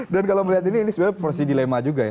dan kalau melihat ini ini sebenarnya porsi dilema juga ya